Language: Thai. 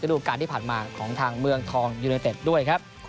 รูปการณ์ที่ผ่านมาของทางเมืองทองยูเนเต็ดด้วยครับ